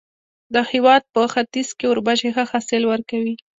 د هېواد په ختیځ کې اوربشې ښه حاصل ورکوي.